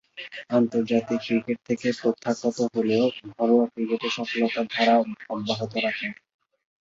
আন্তর্জাতিক ক্রিকেট থেকে প্রত্যাখ্যাত হলেও ঘরোয়া ক্রিকেটে সফলতার ধারা অব্যাহত রাখেন।